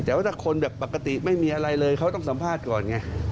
แต่ว่าถ้าคนแบบปกติไม่มีอะไรเลยเขาต้องสัมภาษณ์ก่อนไง